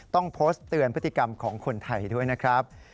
ต้องโพสต์เตือนพฤติกรรมของคนไทยด้วยนะครับ